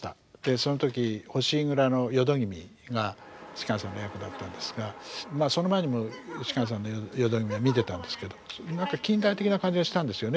その時糒庫の淀君が芝さんの役だったんですがその前にも芝さんの淀君見てたんですけど何か近代的な感じがしたんですよね